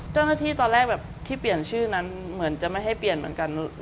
เจ้าหน้าที่ตอนแรกแบบที่เปลี่ยนชื่อนั้นเหมือนจะไม่ให้เปลี่ยนเหมือนกัน